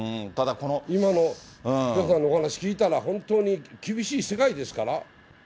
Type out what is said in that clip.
今のお話聞いたら、本当に厳しい世界ですから。